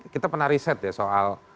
kita pernah riset ya soal